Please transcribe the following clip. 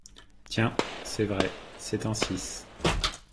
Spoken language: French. Tiens ! c’est vrai ! c’est un six !